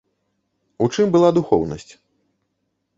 У чым была духоўнасць?